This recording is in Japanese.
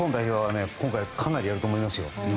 日本代表は今回、かなりやると思いますよ。